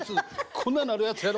こんななるやつやろ？